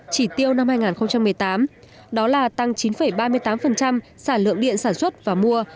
chỉ tiêu năm hai nghìn một mươi tám đó là tăng chín ba mươi tám sản lượng điện sản xuất và mua